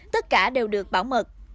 tất cả đều được bảo mật